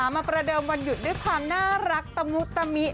ประเดิมวันหยุดด้วยความน่ารักตะมุตมิ